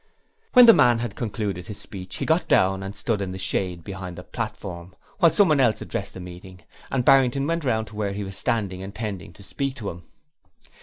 When the man had concluded his speech he got down and stood in the shade behind the platform, while someone else addressed the meeting, and Barrington went round to where he was standing, intending to speak to him.